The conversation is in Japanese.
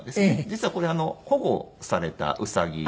実はこれ保護されたウサギで。